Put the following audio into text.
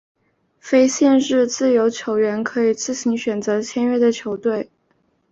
非受限自由球员可以自行选择签约的球队。